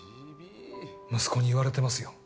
息子に言われてますよ。